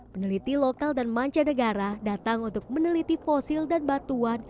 peneliti lokal dan mancanegara datang untuk meneliti fosil dan batuan